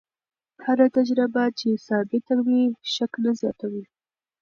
هره تجربه چې ثابته وي، شک نه زیاتوي.